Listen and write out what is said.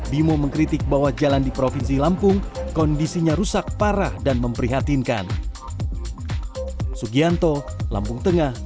bimo mengkritik bahwa jalan di provinsi lampung kondisinya rusak parah dan memprihatinkan